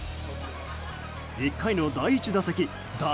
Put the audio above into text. １回の第１打席打